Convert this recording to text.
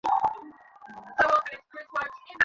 জ্ঞান লক্ষ্য হইতে পারে না, কারণ জ্ঞান যৌগিক পদার্থ।